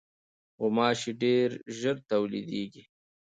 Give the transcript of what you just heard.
غوماشې ډېر ژر تولیدېږي.